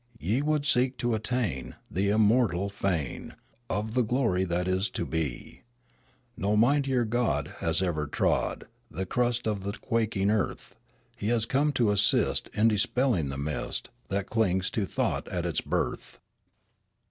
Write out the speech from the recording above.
Ye would seek to attain The immortal fane Of the glory that is to be. No mightier god Has ever trod The crust of the quaking earth. He has come to assist In dispelling the mist That clings to thought at its birth.